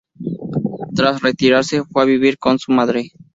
Tras retirarse, fue a vivir con su madre.